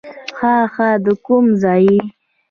ښه ښه، د کوم ځای یې؟